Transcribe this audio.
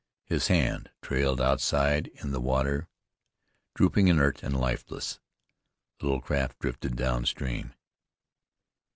His hand trailed outside in the water, drooping inert and lifeless. The little craft drifted down stream.